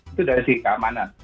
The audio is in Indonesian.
itu dari sisi keamanan